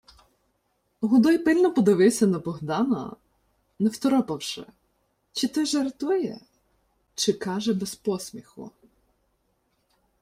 Годой пильно подивився на Богдана, не второпавши, чи той жартує, чи каже без посміху.